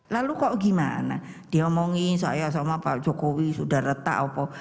lalu kok gimana diomongin saya sama pak jokowi sudah retak apa